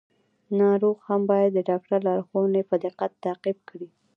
ناروغ هم باید د ډاکټر لارښوونې په دقت تعقیب کړي.